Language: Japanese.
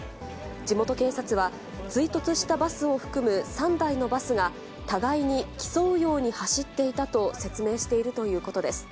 地元警察は、追突したバスを含む３台のバスが、互いに競うように走っていたと説明しているということです。